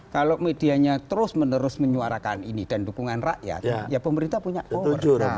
kalau medianya terus menerus menyuarakan ini dan dukungan rakyat ya pemerintah punya kewenangan